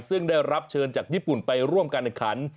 ซึ่งได้รับเชิญจากญี่ปุ่นไปร่วมการแข่งขัน